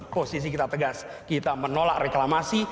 posisi kita tegas kita menolak reklamasi